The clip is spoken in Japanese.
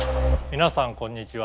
皆さんこんにちは。